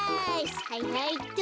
はいはいっと。